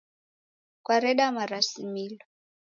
Kwareda marasimilo.